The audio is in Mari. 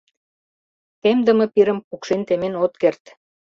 — Темдыме пирым пукшен темен от керт.